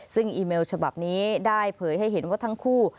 ซึ่งอีเมลฉบับนี้ได้เผยให้เห็นว่าทั้งคู่